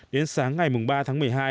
đến sáng ngày ba tháng một mươi hai